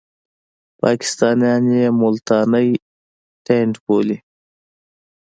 پاکستانیان یې ملتانی ټېنټ بولي.